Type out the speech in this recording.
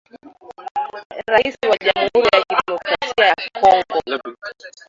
Raisi wa jamhuri ya kidemokrasia ya Kongo